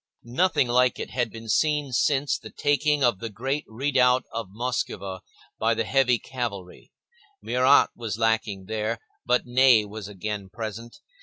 Nothing like it had been seen since the taking of the great redoubt of the Muskowa by the heavy cavalry; Murat was lacking here, but Ney was again present.